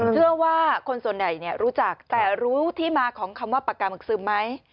เชื่อว่าคนส่วนใหญ่รู้จักแต่รู้ที่มาของคำว่าปากกาหมึกซึมไหม